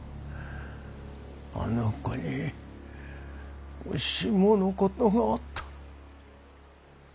あの子にもしものことがあったら。